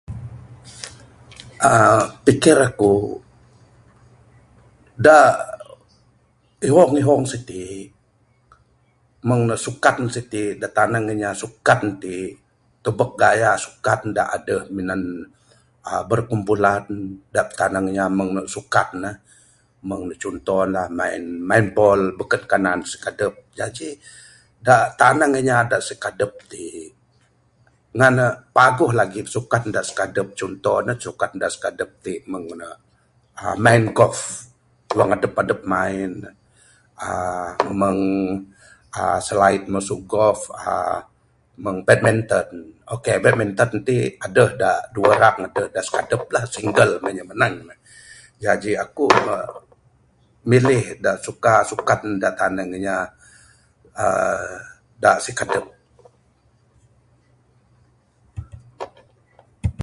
aaa pikir aku da ihong ihong siti meng ne sukan siti da tanang inya sukan ti, tubek gaya sukan da adeh minan aaa berkumpulan, da tanang inya mung sukan aaa meng ne chunto ne main netball beken kanan sikadep, jaji da tanang inya da sikadep ti ngan ne paguh lagi sukan da sikadep chunto ne sukam da sikadep ti ne aaa main golf, wang adep adep main ne aaa meng aaa selain masu golf aaa meng badminton, okay badminton ti adeh da duweh urang, adeh da sikadep lah single inya manang ne, jaji aku aaa milih suka sukan da tanang inya aaa da sikadep.